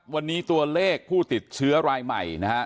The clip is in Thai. วันนี้ตัวเลขผู้ติดเชื้อรายใหม่นะฮะ